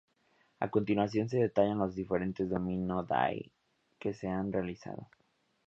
A continuación se detallan los diferentes Domino Day que se han realizado.